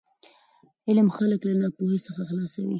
علم خلک له ناپوهي څخه خلاصوي.